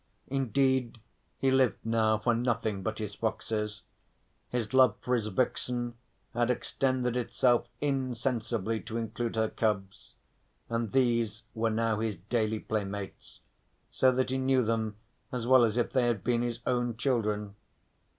Indeed he lived now for nothing but his foxes, his love for his vixen had extended itself insensibly to include her cubs, and these were now his daily playmates so that he knew them as well as if they had been his own children.